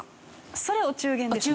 それお中元ですね。